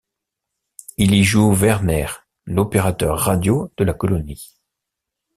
Il y joue Werner, l'opérateur radio de la colonie.